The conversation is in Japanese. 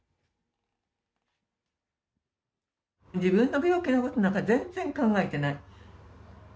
自分の病気のことなんか全然考えてない。